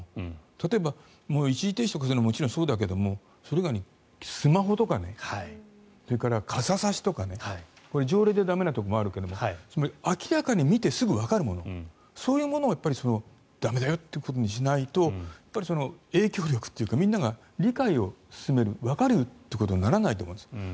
例えば一時停止とかももちろんそうだけどそれ以外にスマホとかそれから傘差しとか条例で駄目なところもあるけれど明らかに見てすぐわかるものそういうものを駄目だよっていうことにしないと影響力というかみんなが理解を進めるわかるよということにならないと思います。